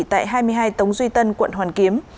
tại hai mươi hai tống duy tân quận hoàn kiếm